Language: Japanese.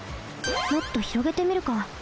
もっとひろげてみるか。